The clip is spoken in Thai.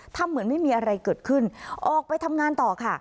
ทำเหมือนไม่มีอะไรเกิดขึ้นออกไปทำงานต่อค่ะ